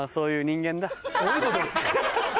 どういうことですか？